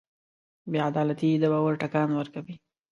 بېعدالتي د باور ټکان ورکوي.